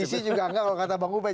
visi juga tidak kalau kata bang ubed